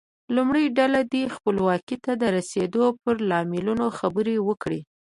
لومړۍ ډله دې خپلواکۍ ته د رسیدو پر لاملونو خبرې وکړي.